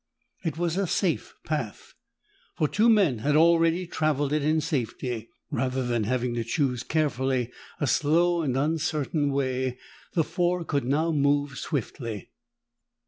It was a safe path, for two men had already traveled it in safety. Rather than having to choose carefully a slow and uncertain way, the four could now move swiftly.